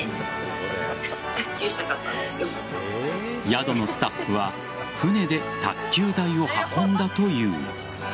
宿のスタッフは船で卓球台を運んだという。